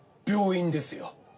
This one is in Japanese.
病院ですよ。